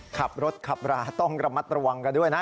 ขับรถขับราต้องระมัดระวังกันด้วยนะ